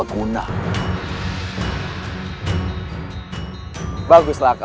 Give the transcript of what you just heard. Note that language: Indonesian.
dan menangkan mereka